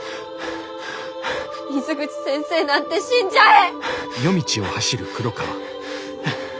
水口先生なんて死んじゃえ！